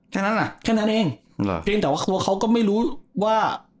แค่นั้นอ่ะแค่นั้นเองเพียงแต่ว่าเขาก็ไม่รู้ว่า